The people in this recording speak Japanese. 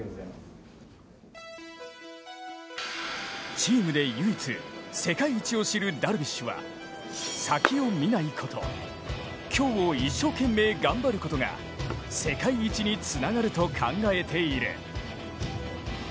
チームで唯一、世界一を知るダルビッシュは先を見ないこと、今日を一生懸命頑張ることが世界一につながると考えている。